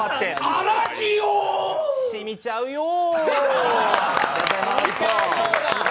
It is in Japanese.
しみちゃうよぉ。